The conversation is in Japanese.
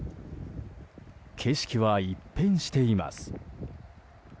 景色は一変しています。